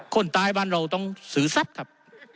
คนตายบ้านเราต้องซื้อทรัพย์ครับ